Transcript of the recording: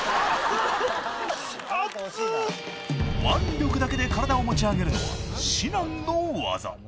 ［腕力だけで体を持ち上げるのは至難の業］